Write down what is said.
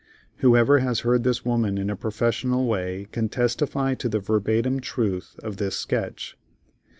Whoever has heard this woman in a professional way can testify to the verbatim truth of this sketch.